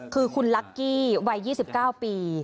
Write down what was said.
คือคุณลักกี้วัย๒๙ปี